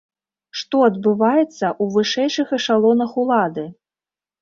Што адбываецца ў вышэйшых эшалонах улады?